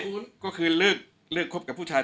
ช่างแอร์เนี้ยคือล้างหกเดือนครั้งยังไม่แอร์